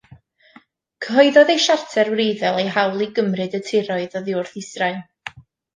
Cyhoeddodd eu Siarter wreiddiol eu hawl i gymryd y tiroedd oddi wrth Israel.